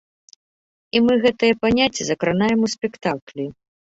І мы гэтыя паняцці закранаем у спектаклі.